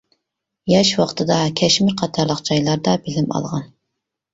ياش ۋاقتىدا كەشمىر قاتارلىق جايلاردا بىلىم ئالغان.